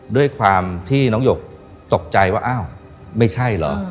ด้วยความที่น้องหยกตกใจว่าอ้าวไม่ใช่เหรอ